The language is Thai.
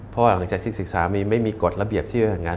พอหลังจากที่ศึกษาไม่มีกรดระเบียบที่สำหรับงาน